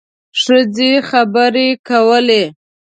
ښځې خبرې کولې.